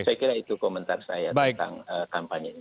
saya kira itu komentar saya tentang kampanye ini